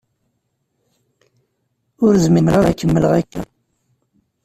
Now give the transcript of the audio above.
Ur zmireɣ ad kemmleɣ akka.